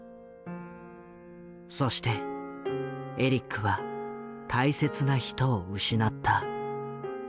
そしてエリックは大切な人を失った。